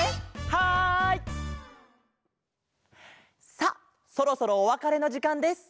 さあそろそろおわかれのじかんです。